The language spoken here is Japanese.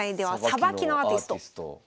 さばきのアーティスト。